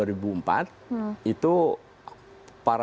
itu para saintis kebumiannya